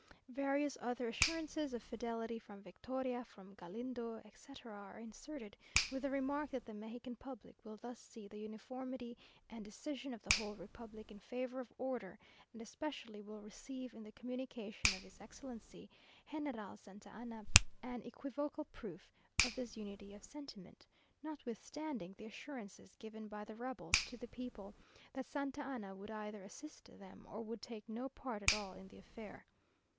Various other assurances of fidelity from Victoria, from Galindo, etc., are inserted, with the remark that the Mexican public will thus see the uniformity and decision of the whole republic in favour of order, and especially will receive in the communication of his Excellency, General Santa Anna, an equivocal proof of this unity of sentiment, notwithstanding the assurances given by the rebels to the people, that Santa Anna would either assist them, or would take no part at all in the affair.